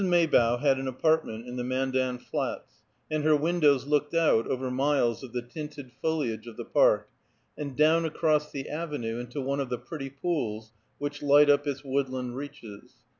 Maybough had an apartment in the Mandan Flats, and her windows looked out over miles of the tinted foliage of the Park, and down across the avenue into one of the pretty pools which light up its woodland reaches.